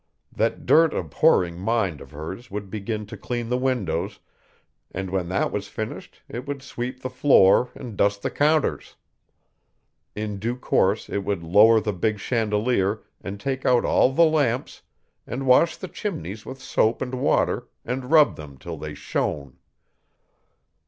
That dirt abhorring mind of hers would begin to clean the windows, and when that was finished it would sweep the floor and dust the counters. In due course it would lower the big chandelier and take out all the lamps and wash the chimneys with soap and water and rub them till they shone.